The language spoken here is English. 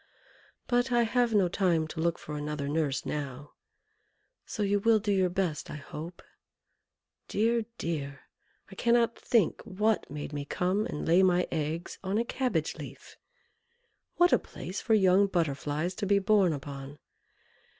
But I have no time to look for another nurse now, so you will do your best, I hope. Dear! dear! I cannot think what made me come and lay my eggs on a cabbage leaf! What a place for young Butterflies to be born upon!